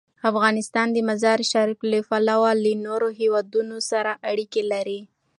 افغانستان د مزارشریف له پلوه له نورو هېوادونو سره اړیکې لري.